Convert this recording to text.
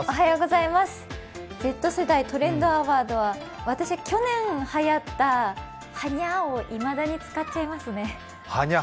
Ｚ世代トレンドアワードは私、去年はやった「はにゃ」をいまだに使っちゃいますね。